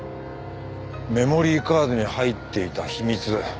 メモリーカードに入っていた秘密